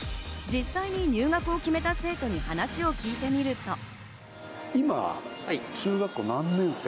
実際に入学を決めた生徒に話を聞いてみると。